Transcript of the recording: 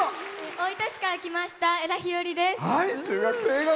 大分市から来ました、えらです。